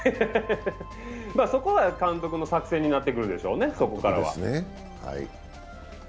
そこは監督の作戦になってくるでしょうね、ここからは。